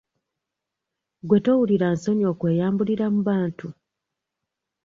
Gwe towulira nsonyi okweyambulira mu bantu?